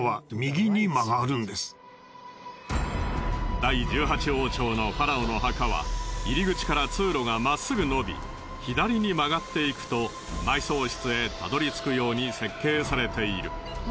第１８王朝のファラオの墓は入り口から通路がまっすぐ伸び左に曲がっていくと埋葬室へたどり着くように設計されている。